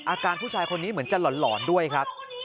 อาการผู้ชายคนนี้เหมือนจะหลอนด้วยครับ